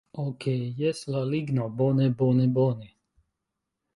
Okej jes la ligno... bone, bone, bone